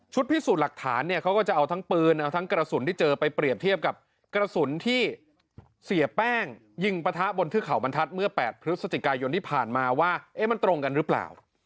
พิสูจน์หลักฐานเนี่ยเขาก็จะเอาทั้งปืนเอาทั้งกระสุนที่เจอไปเปรียบเทียบกับกระสุนที่เสียแป้งยิงปะทะบนเทือกเขาบรรทัศน์เมื่อ๘พฤศจิกายนที่ผ่านมาว่ามันตรงกันหรือเปล่า